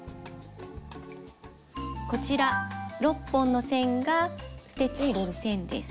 こちら６本の線がステッチを入れる線です。